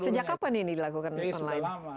sejak kapan ini dilakukan online